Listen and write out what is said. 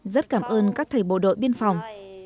rất cảm ơn các thầy bộ đội biên phòng